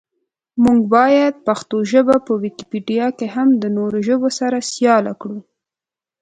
مونږ باید پښتو ژبه په ویکیپېډیا کې هم د نورو ژبو سره سیاله کړو.